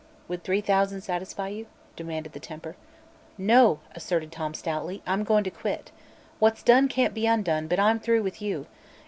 "Would three thousand satisfy you?" demanded the tempter. "No," asserted Tom stoutly; "I'm goin' to quit. What's done can't be undone, but I'm through with you.